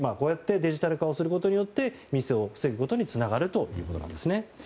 デジタル化をすることによってミスを防ぐことにつながるということです。